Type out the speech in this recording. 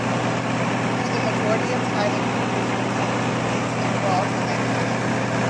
Though the majority of title changes would take place on "Raw", "SmackDown!